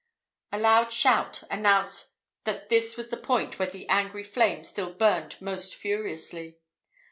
A loud shout announced that this was the point where the angry flame still burned most furiously.